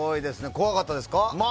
怖かったですか？